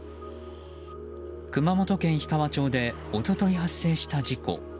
熊本県氷川町で一昨日発生した事故。